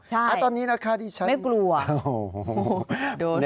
ใช่ไม่กลัวโอ้โฮตอนนี้นะคะที่ฉัน